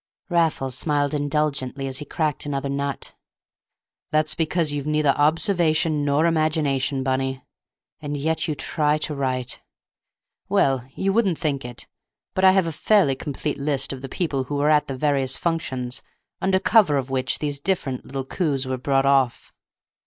Raffles smiled indulgently as he cracked another nut. "That's because you've neither observation nor imagination, Bunny—and yet you try to write! Well, you wouldn't think it, but I have a fairly complete list of the people who were at the various functions under cover of which these different little coups were brought off."